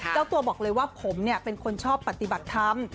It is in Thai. เจ้าตัวบอกเลยว่าผมเป็นคนชอบปฏิบัติธรรม